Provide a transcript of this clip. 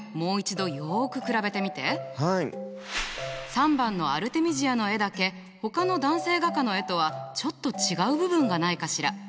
３番のアルテミジアの絵だけほかの男性画家の絵とはちょっと違う部分がないかしら？